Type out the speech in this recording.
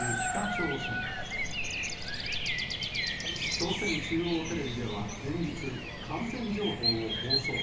朝鮮中央テレビでは、連日、感染情報を放送。